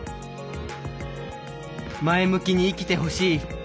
前向きに生きてほしい。